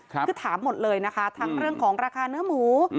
คือถามหมดเลยนะคะทั้งเรื่องของราคาเนื้อหมู